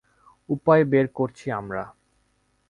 উপায় বের করছি আমরা।